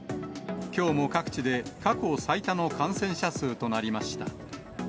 きょうも各地で過去最多の感染者数となりました。